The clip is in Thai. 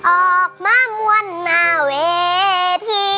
ออกมามวลหน้าเวที